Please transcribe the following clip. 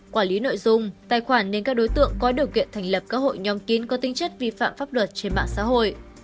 quản lý nội dung tài khoản nên các đối tượng có điều kiện thành lập các hội nhóm kín có tinh chất vi phạm pháp luật trên mạng xã hội